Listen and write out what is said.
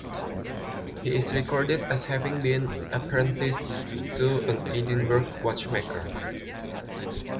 He is recorded as having been apprenticed to an Edinburgh watchmaker.